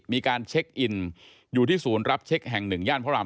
มีการเช็คอินอยู่ที่ศูนย์รับเช็คแห่งหนึ่งย่านพระราม